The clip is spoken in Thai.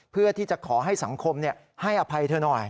เพื่อที่จะขอให้สังคมให้อภัยเธอหน่อย